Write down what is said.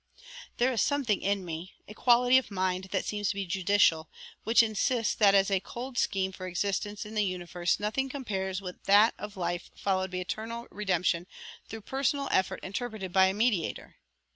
"There is something in me, a quality of mind that seems to be judicial, which insists that as a cold scheme for existence in this universe nothing compares with that of life followed by eternal redemption through personal effort interpreted by a mediator.